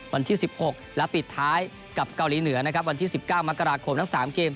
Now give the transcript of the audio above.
วันที่๑๖และปิดท้ายกับเกาหลีเหนือนะครับวันที่๑๙มกราคมทั้ง๓เกม